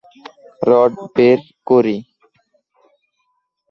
Rod বের করি?